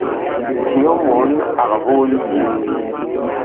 Nyɔ mɔɔn ag voo libyee.